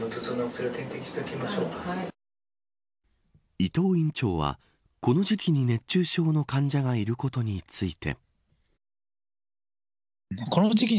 伊藤院長はこの時期に熱中症の患者がいることについて。